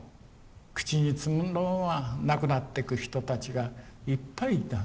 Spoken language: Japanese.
口につぐんだまま亡くなってく人たちがいっぱいいた。